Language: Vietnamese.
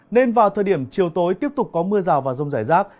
nên vào thời điểm chiều tối tiếp tục có mưa rào và rông rải rác